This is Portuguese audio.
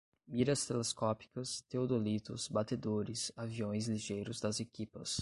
Miras telescópicas, teodolitos, batedores, aviões ligeiros das equipas